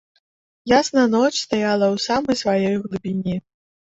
Ясна ноч стаяла ў самай сваёй глыбіні.